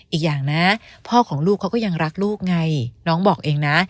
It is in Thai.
อีกอย่างนะพ่อของลูกเขาก็ยังรักลูกไงน้องบอกเองนะ